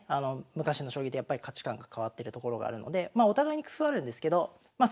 昔の将棋とやっぱり価値観が変わってるところがあるのでお互いに工夫あるんですけどまあ